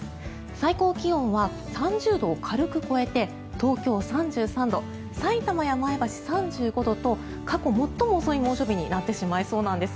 最高気温は３０度を軽く超えて東京、３３度さいたまや前橋、３５度と過去最も遅い猛暑日になってしまいそうなんです。